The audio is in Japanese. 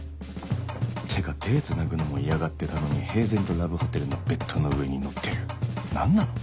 ってか手つなぐのも嫌がってたのに平然とラブホテルのベッドの上に乗ってる何なの？